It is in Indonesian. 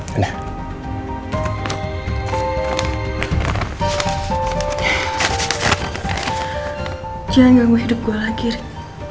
jangan ganggu hidup gue lagi rik